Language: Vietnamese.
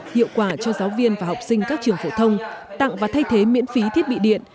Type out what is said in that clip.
hiệu quả cho giáo viên và học sinh các trường phổ thông tặng và thay thế miễn phí thiết bị điện